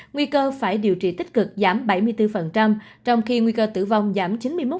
nguy cơ phải điều trị tích cực giảm bảy mươi bốn trong khi nguy cơ tử vong giảm chín mươi một